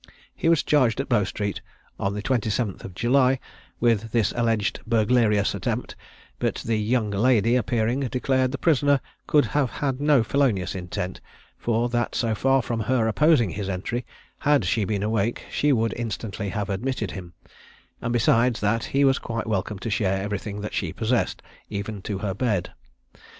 He was charged at Bow street on the 27th of July with this alleged burglarious attempt; but the "young lady" appearing, declared the prisoner could have had no felonious intent, for that so far from her opposing his entry, had she been awake, she would instantly have admitted him; and besides that he was quite welcome to share everything that she possessed, even to her bed.